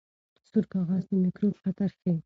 سور کاغذ د میکروب خطر ښيي.